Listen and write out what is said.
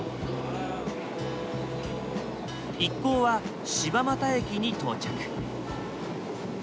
一行は柴又駅に到着。